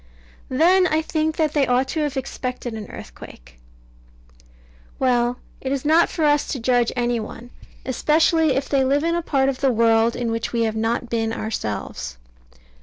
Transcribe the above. Then I think that they ought to have expected an earthquake. Well it is not for us to judge any one, especially if they live in a part of the world in which we have not been ourselves.